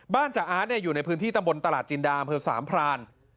บ้านจ้าอาร์ดเนี่ยอยู่ในพื้นที่ตำบลตลาดจินดามเพื่อสามพราน